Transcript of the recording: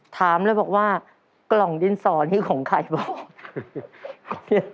ถามเลยบอกว่ากล่องดินสอนี่ของใครบ้าง